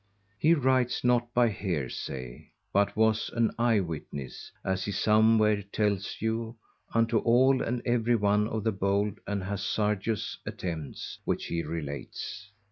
He writeth not by hearsay, but was an eye witness, as he somewhere telleth you, unto all and every one of the bold and hazardous attempts which he relateth.